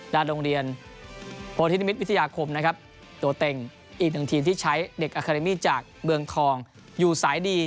โรงเรียนโพธินิมิตรวิทยาคมนะครับตัวเต็งอีกหนึ่งทีมที่ใช้เด็กอาคาเรมี่จากเมืองทองอยู่สายดี